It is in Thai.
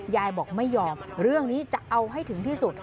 ยายบอกไม่ยอมเรื่องนี้จะเอาให้ถึงที่สุด